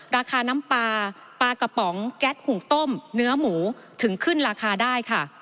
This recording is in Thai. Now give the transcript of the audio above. ราคาน้ำปลาปลากระป๋องแก๊สหุ่งต้มเนื้อหมูถึงขึ้นราคาได้ค่ะ